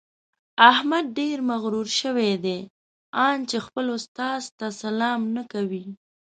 احمد ډېر مغروره شوی دی؛ ان چې خپل استاد ته سلام نه کوي.